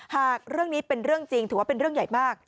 หากเรื่องนี้เป็นเรื่องจริงถือว่าเป็นเรื่องใหญ่มาก